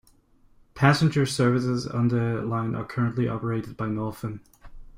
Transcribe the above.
Passenger services on the line are currently operated by Northern.